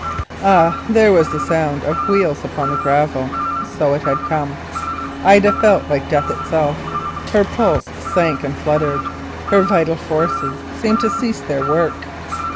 Ah! there was the sound of wheels upon the gravel. So it had come. Ida felt like death itself. Her pulse sunk and fluttered; her vital forces seemed to cease their work.